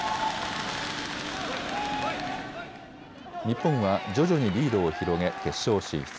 日本は徐々にリードを広げ決勝進出。